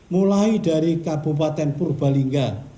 mulai dari kabupaten purbaliga